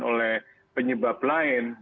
oleh penyebab lain